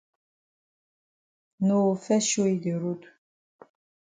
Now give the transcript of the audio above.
No fes show yi de road.